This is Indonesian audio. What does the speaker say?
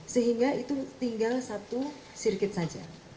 sehingga itu tinggal satu sirkuit saja